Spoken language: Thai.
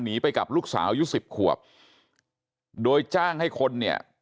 หนีไปกับลูกสาวอายุสิบขวบโดยจ้างให้คนเนี่ย